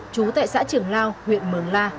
trú tại xã trường lao huyện mường la